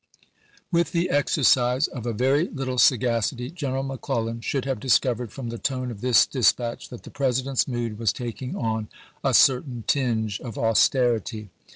With the exercise of a very little sagacity General McClellan should have discovered from the tone of this dispatch that the President's mood was taking on a certain tinge of austerity.